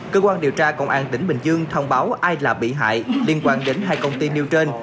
cơ quan điều tra công an tỉnh bình dương thông báo ai là bị hại liên quan đến hai công ty nêu trên